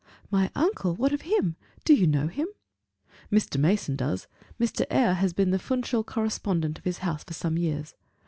"My uncle? What of him? Do you know him?" "Mr. Mason does; Mr. Eyre has been the Funchal correspondent of his house for some years.